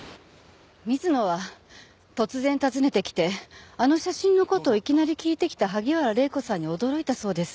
水野は突然訪ねてきてあの写真の事をいきなり聞いてきた萩原礼子さんに驚いたそうです。